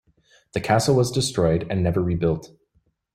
The castle was destroyed and never rebuilt.